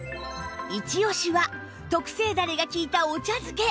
イチオシは特製だれが利いたお茶漬け